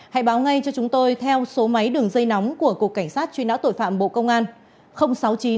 hãy báo ngay cho chúng tôi theo số máy đường dây nóng của cục cảnh sát truy nã tội phạm bộ công an